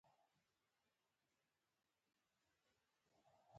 په پټه د خپلو ګټو د ساتلو لپاره پریکړې کوي